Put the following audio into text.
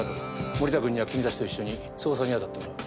森田君には君たちと一緒に捜査に当たってもらう。